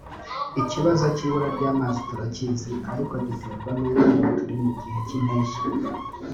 Ikibazo cy’ibura ry’amazi turakizi ariko giterwa n’uko ubu turi mu gihe cy’impeshyi